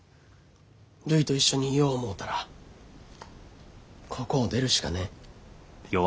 るいと一緒にいよう思うたらここを出るしかねえ。